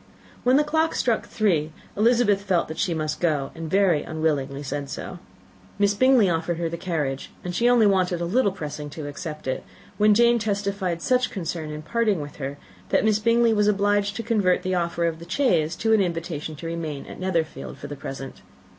When the clock struck three, Elizabeth felt that she must go, and very unwillingly said so. Miss Bingley offered her the carriage, and she only wanted a little pressing to accept it, when Jane testified such concern at parting with her that Miss Bingley was obliged to convert the offer of the chaise into an invitation to remain at Netherfield for the present.